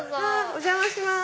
お邪魔します。